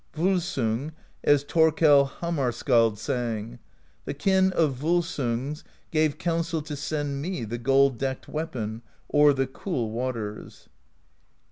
Volsung, as Thorkell Hamar Skald sang: The Kin of Volsungs Gave counsel to send me The gold decked weapon O'er the cool waters.